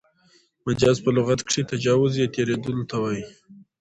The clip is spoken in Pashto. مجاز په لغت کښي تجاوز یا تېرېدلو ته وايي.